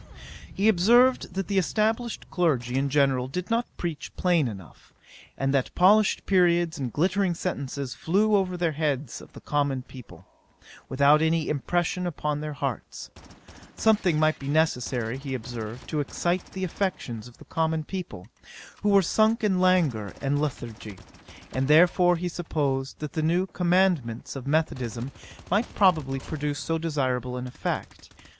'He observed, that the established clergy in general did not preach plain enough; and that polished periods and glittering sentences flew over the heads of the common people, without any impression upon their hearts. Something might be necessary, he observed, to excite the affections of the common people, who were sunk in languor and lethargy, and therefore he supposed that the new concomitants of methodism might probably produce so desirable an effect.